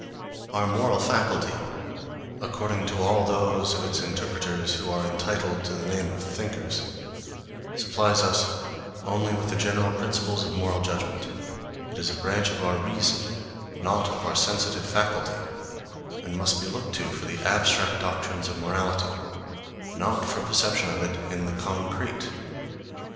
Our moral faculty, according to all those of its interpreters who are entitled to the name of thinkers, supplies us only with the general principles of moral judgments; it is a branch of our reason, not of our sensitive faculty; and must be looked to for the abstract doctrines of morality, not for perception of it in the concrete.